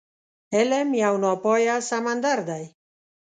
علم يو ناپايه سمندر دی.